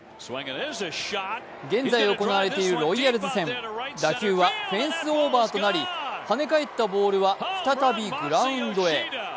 現在行われているロイヤルズ戦、打球はフェンスオーバーとなり跳ね返ったボールは再びグラウンドへ。